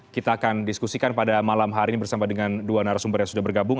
kita akan diskusikan pada malam hari ini bersama dengan dua narasumber yang sudah bergabung